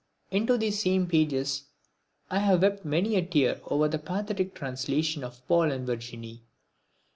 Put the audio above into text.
Into these same pages I have wept many a tear over a pathetic translation of Paul and Virginie.